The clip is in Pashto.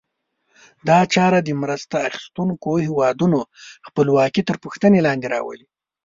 دا چاره د مرسته اخیستونکو هېوادونو خپلواکي تر پوښتنې لاندې راولي.